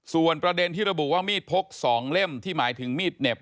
ส่วนประเด็นที่ระบุว่ามีดพก๒เล่มที่หมายถึงมีดเหน็บ